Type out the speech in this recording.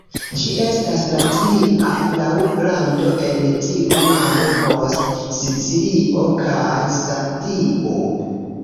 Ĝi estas la tria laŭ grando en tiu maro post Sicilio kaj Sardio.